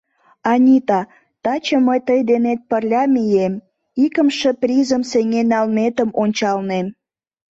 — Анита, таче мый тый денет пырля мием, икымше призым сеҥен налметым ончалнем.